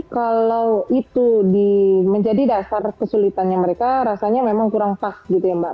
kalau itu menjadi dasar kesulitannya mereka rasanya memang kurang pas gitu ya mbak